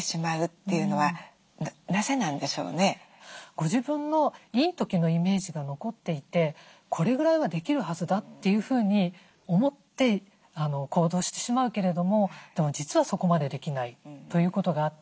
ご自分のいい時のイメージが残っていてこれぐらいはできるはずだというふうに思って行動してしまうけれどもでも実はそこまでできないということがあって。